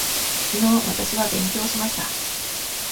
きのうわたしは勉強しました。